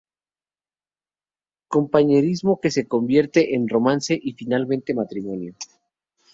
Compañerismo que se convierte en romance y finalmente en matrimonio.